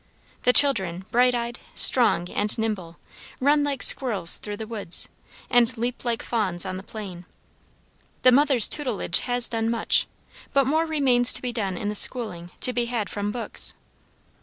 The children, bright eyed, strong, and nimble, run like squirrels through the woods, and leap like fawns on the plain. The mother's tutelage has done much, but more remains to be done in the schooling to be had from books.